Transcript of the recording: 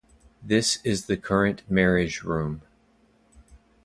This is the current marriage room.